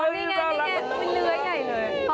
อ่อนี่แงเลือดใหญ่เลย